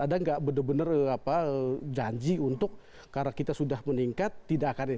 ada nggak benar benar janji untuk karena kita sudah meningkat tidak akan ini